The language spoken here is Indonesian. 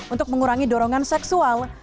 untuk mengurangi dorongan seksual